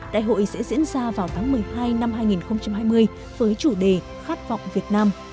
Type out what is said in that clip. đại hội sẽ diễn ra vào tháng một mươi hai năm hai nghìn hai mươi với chủ đề khát vọng việt nam